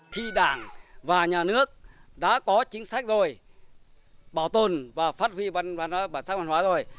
thì đảng và nhà nước đã có chính sách rồi bảo tồn và phát huy văn bản sắc văn hóa rồi